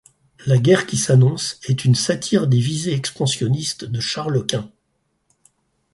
La guerre qui s'annonce est une satire des visées expansionnistes de Charles Quint.